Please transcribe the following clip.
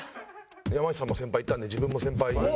山内さんも先輩いったんで自分も先輩はい。